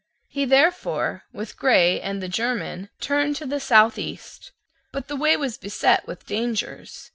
He therefore, with Grey and the German, turned to the southeast. But the way was beset with dangers.